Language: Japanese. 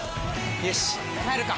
よし帰るか！